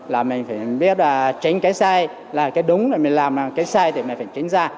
là mình phải biết tránh cái sai là cái đúng là mình làm cái sai thì mình phải tránh ra